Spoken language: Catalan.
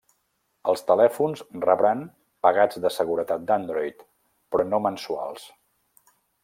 Els telèfons rebran pegats de seguretat d'Android, però no mensuals.